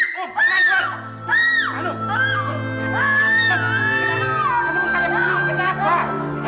apa ada yang mau menyakitkan kamu